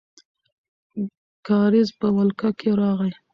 کارېز په ولکه کې راغی.